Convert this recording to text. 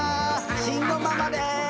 慎吾ママです！